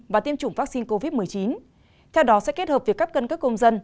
và tiêm chủng vaccine covid một mươi chín theo đó sẽ kết hợp việc cấp cân cấp công dân